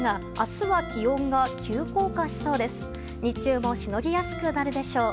日中もしのぎやすくなるでしょう。